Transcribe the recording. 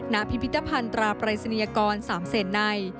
พิพิธภัณฑ์ตราปรายศนียกร๓เศษใน